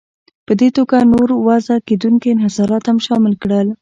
په دې توګه نور وضع کېدونکي انحصارات هم شامل کړل.